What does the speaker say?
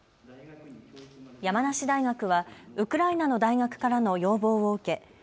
山梨大学はウクライナの大学からの要望を受け